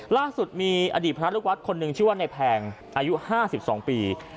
ล่าสุดมีอดีตพระลูกวัดคนหนึ่งชื่อว่าในแพงอายุ๕๒ปี